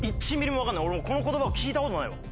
俺この言葉を聞いたことないわ。